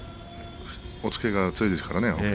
押っつけが強いですからね北勝